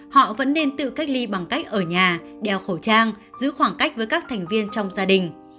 họ vẫn nên tự cách ly bằng cách ở nhà đeo khẩu trang giữ khoảng cách với các thành viên trong gia đình